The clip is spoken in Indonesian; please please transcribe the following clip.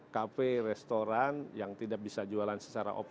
cafe restoran yang tidak bisa dijualan secara operatif